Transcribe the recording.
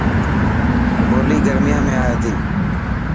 هولي گرميان ۾ آئي تي.